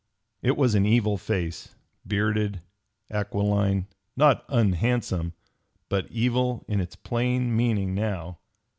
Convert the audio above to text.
It was an evil face, bearded, aquiline, not unhandsome; but evil in its plain meaning now.